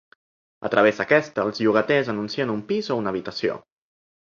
A través d’aquesta, els llogaters anuncien un pis o una habitació.